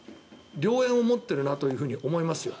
良縁を持ってるなと思いますよ。